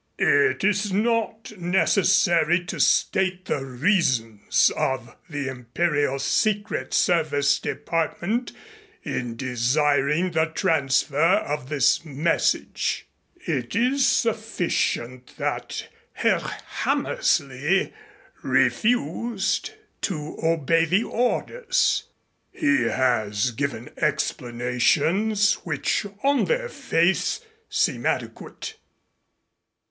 It is not necessary to state the reasons of the Imperial Secret Service Department in desiring the transfer of this message. It is sufficient that Herr Hammersley refused to obey the orders. He has given explanations which, on their face, seem adequate.